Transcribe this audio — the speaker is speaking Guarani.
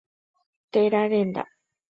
Téra renda.